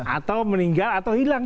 atau meninggal atau hilang